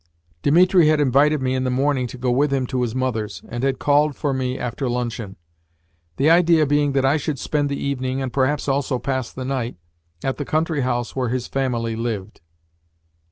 Dimitri had invited me in the morning to go with him to his mother's, and had called for me after luncheon; the idea being that I should spend the evening, and perhaps also pass the night, at the country house where his family lived.